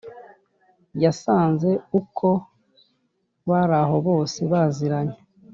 yasanze uko baraho bose baziranye